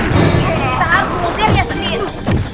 kita harus mengusirnya sendiri